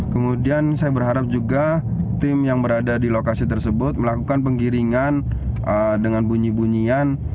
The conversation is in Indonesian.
kemudian saya berharap juga tim yang berada di lokasi tersebut melakukan penggiringan dengan bunyi bunyian